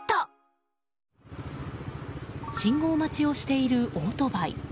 信号待ちをしているオートバイ。